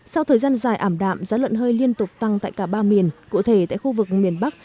sau thời gian dài ảm đạm giá lợn hơi liên tục tăng tại cả ba miền cụ thể tại khu vực miền bắc